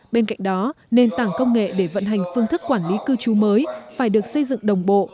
bên cạnh đó nền tảng công nghệ để vận hành phương thức quản lý cư trú mới phải được xây dựng đồng bộ